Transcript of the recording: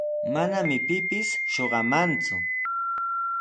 Manami pipis shuqamanku.